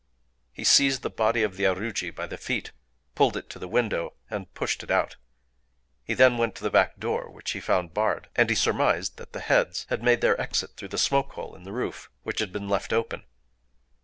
He seized the body of the aruji by the feet, pulled it to the window, and pushed it out. Then he went to the back door, which he found barred; and he surmised that the heads had made their exit through the smoke hole in the roof, which had been left open.